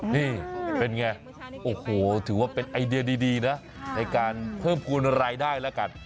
นี่เป็นไงโอ้โหถือว่าเป็นไอเดียดีนะในการเพิ่มภูมิรายได้แล้วกัน